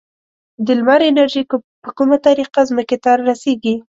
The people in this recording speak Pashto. د لمر انرژي په کومه طریقه ځمکې ته رسیږي؟